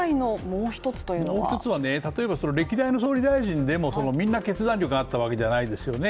もう一つは、歴代の総理大臣でもみんな決断力があったわけではないですよね。